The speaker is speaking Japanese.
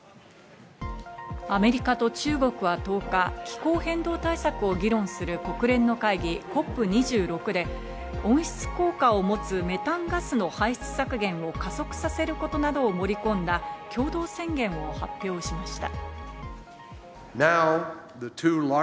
アメリカと中国は１０日、気候変動対策を議論する国連の会議＝ＣＯＰ２６で、温室効果を持つメタンガスの排出削減を加速させることなどを盛り込んだ共同宣言を発表しました。